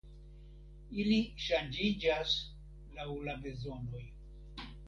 Ili ŝanĝiĝas laŭ la bezonoj.